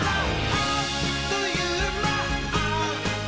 あっというまっ！」